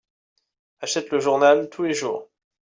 Achète le journal tous les jours.